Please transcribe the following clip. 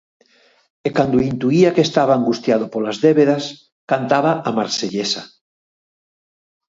E cando intuía que estaba angustiado polas débedas cantaba a Marsellesa.